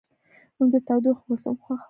موږ د تودوخې موسم خوښوو.